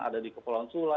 ada di kepulauan sula